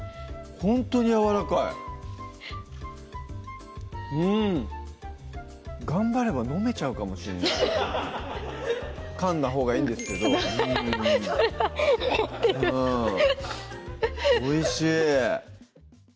ほんとにやわらかい頑張ればのめちゃうかもしれないかんだほうがいいんですけどうんおいしい！